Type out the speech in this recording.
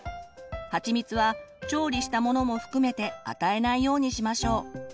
はちみつは調理したものも含めて与えないようにしましょう。